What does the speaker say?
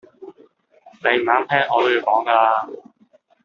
你唔啱聽我都要講㗎喇